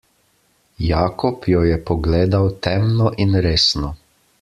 Jakob jo je pogledal temno in resno.